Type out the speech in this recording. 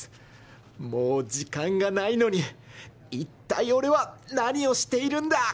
もう時間がないのに一体俺は何をしているんだ！